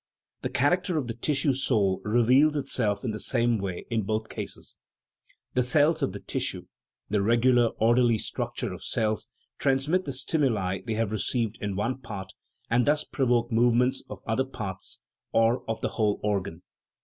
The character of the tissue soul reveals itself in the same way in both cases the cells of the tissue (the regular, orderly struct ure of cells) transmit the stimuli they have received in one part, and thus provoke movements of other parts, or of the whole organ.